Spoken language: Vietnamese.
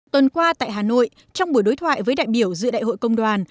tuần qua tại hà nội trong buổi đối thoại với đại biểu dự đại hội công đoàn